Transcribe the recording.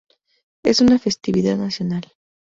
Es una festividad nacional.